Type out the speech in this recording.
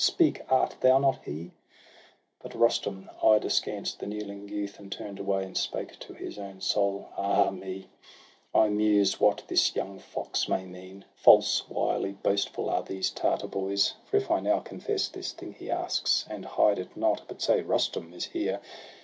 speak ! art thou not he ?' But Rustum eyed askance the kneeling youth, And turn'd away, and spake to his own soul: —' Ah me, I muse what this young fox may mean ! False, wily, boastful, are these Tartar boys. For if I now confess this thing he asks. And hide it not, but say: Rusticm is here!